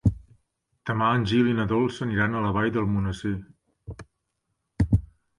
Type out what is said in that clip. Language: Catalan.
Demà en Gil i na Dolça aniran a la Vall d'Almonesir.